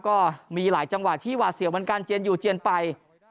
ก็มีหลายจังหวะที่หวาดเสียวเหมือนกันเจียนอยู่เจียนไป